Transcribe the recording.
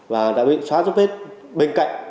và đã bị xóa dấu vết bên cạnh